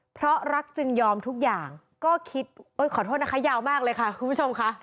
เพราะรักจึงยอมทุกอย่างก็คิดขอโทษนะคะยาวมากเลยค่ะคุณผู้ชมค่ะ